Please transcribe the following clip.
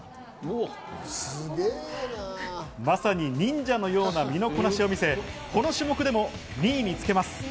まさにニンジャのような身のこなしを見せ、この種目でも２位につけます。